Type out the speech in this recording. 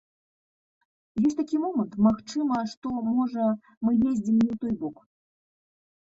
Ёсць такі момант, магчыма, што, можа, мы ездзім не ў той бок.